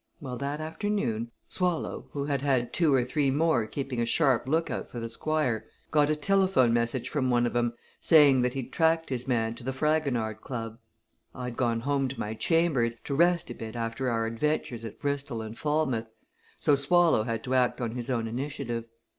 Well, that afternoon Swallow, who had had two or three more keeping a sharp look out for the Squire, got a telephone message from one of 'em saying that he'd tracked his man to the Fragonard Club. I'd gone home to my chambers, to rest a bit after our adventures at Bristol and Falmouth, so Swallow had to act on his own initiative.